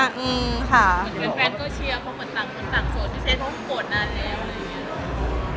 คุณแฟนก็เชียร์เขาเหมือนต่างต่างโสดที่เซตโฟนได้แล้วอะไรอย่างเงี้ย